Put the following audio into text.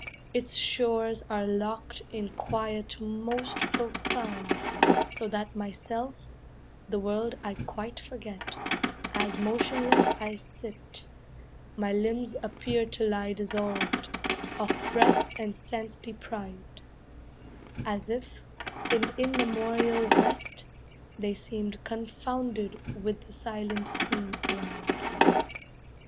Its shores are locked in quiet most profound; So that myself, the world I quite forget, As motionless I sit; my limbs appear To lie dissolved, of breath and sense deprived; As if, in immemorial rest, they seemed Confounded with the silent scene around.